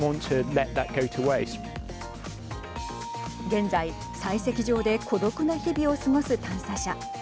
現在、採石場で孤独な日々を過ごす探査車。